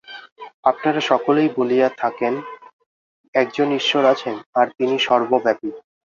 আপনারা সকলেই বলিয়া থাকেন, একজন ঈশ্বর আছেন, আর তিনি সর্বব্যাপী।